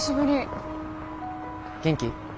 元気？